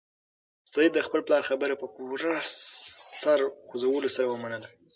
سعید د خپل پلار خبره په پوره سر خوځولو سره ومنله.